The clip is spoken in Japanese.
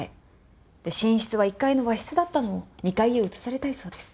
で寝室は１階の和室だったのを２階へ移されたいそうです。